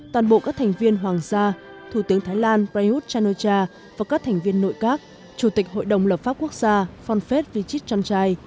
toàn bộ các thành viên hoàng gia thủ tướng thái lan prayuth chan o cha và các thành viên nội các chủ tịch hội đồng lập pháp quốc gia phong phet vichit chan chai